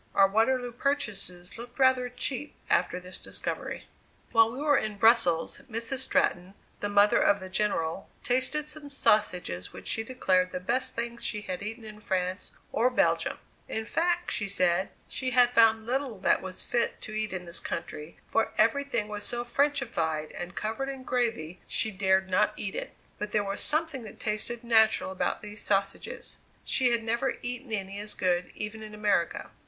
Our Waterloo purchases looked rather cheap after this discovery. While we were in Brussels, Mrs. Stratton, the mother of the General, tasted some sausages which she declared the best things she had eaten in France or Belgium; in fact, she said "she had found little that was fit to eat in this country, for every thing was so Frenchified and covered in gravy, she dared not eat it; but there was something that tasted natural about these sausages; she had never eaten any as good, even in America."